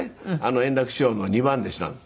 圓楽師匠の二番弟子なんです。